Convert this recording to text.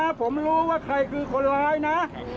ผมรู้ว่าใครคือคนร้ายนะ